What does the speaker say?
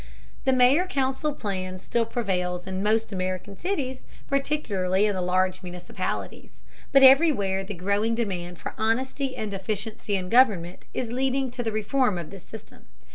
The mayor council plan still prevails in most American cities, particularly in the larger municipalities. But everywhere the growing demand for honesty and efficiency in government is leading to the reform of this system.